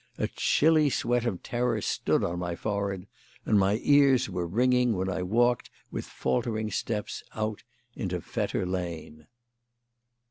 A chilly sweat of terror stood on my forehead, and my ears were ringing when I walked with faltering steps out into Fetter Lane.